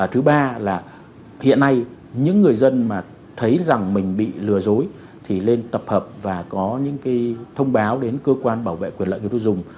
thứ ba là hiện nay những người dân mà thấy rằng mình bị lừa dối thì lên tập hợp và có những cái thông báo đến cơ quan bảo vệ quyền lợi như tôi dùng